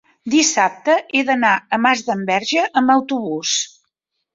dissabte he d'anar a Masdenverge amb autobús.